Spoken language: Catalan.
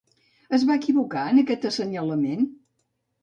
Es va equivocar en aquest assenyalament?